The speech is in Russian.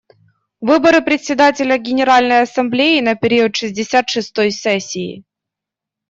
Выборы Председателя Генеральной Ассамблеи на период шестьдесят шестой сессии.